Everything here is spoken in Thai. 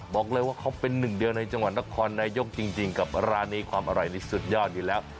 บอกเลยว่าเขาเป็นหนึ่งเดียวในจังหวัดนครนายกจริงกับร้านนี้ความอร่อยนี่สุดยอดอยู่แล้ว